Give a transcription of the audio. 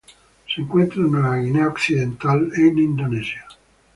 Se encuentra en Nueva Guinea Occidental en Indonesia.